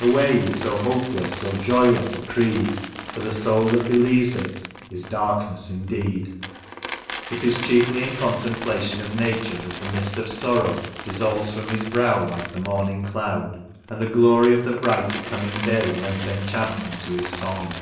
Away with so hopeless, so joyless a creed, For the soul that believes it is darkened indeed !" It is chiefly in contemplation of Nature that the mist of sorrow dissolves from his brow like the morning cloud, and the glory of the brighter coming day lends enchantment to his song.